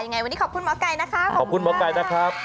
ยังไงวันนี้ขอบคุณหมอไก่นะคะขอบคุณมากค่ะค่ะขอบคุณหมอไก่นะครับ